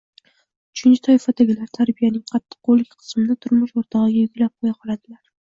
uchinchi toifadagilar tarbiyaning “qattiqqo‘llik” qismini turmush o‘rtog‘iga yuklab qo‘ya qoladilar.